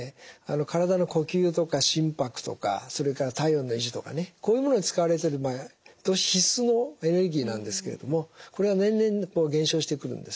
体の呼吸とか心拍とかそれから体温の維持とかねこういうものに使われている場合と脂質のエネルギーなんですけれどもこれは年々減少してくるんですね。